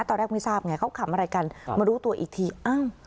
ตอนแรกไม่ทราบไงเขาขำอะไรกันมารู้ตัวอีกทีอ้าว